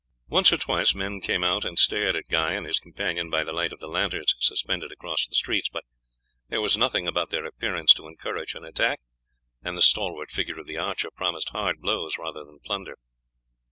Once or twice men came out and stared at Guy and his companion by the light of the lanterns suspended across the streets, but there was nothing about their appearance to encourage an attack, and the stalwart figure of the archer promised hard blows rather than plunder.